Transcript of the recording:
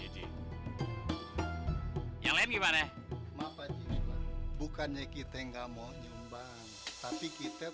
kita tadi beberapa lobi berdua mau nyumbang haji muhyiddin cip "